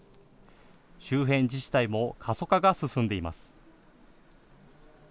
周辺自治体も過疎化が進んでいます。